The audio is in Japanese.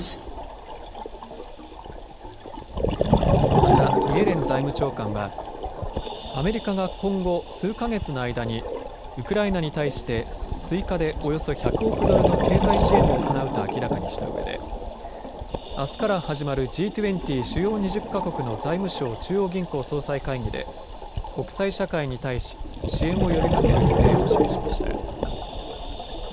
また、イエレン財務長官はアメリカが今後、数か月の間にウクライナに対して追加でおよそ１００億ドルの経済支援を行うと明らかにしたうえであすから始まるＧ２０主要２０か国の財務相・中央銀行総裁会議で国際社会に対し支援を呼びかける姿勢を示しました。